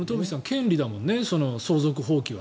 権利だもんね、相続放棄は。